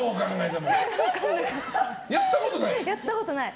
やったことない？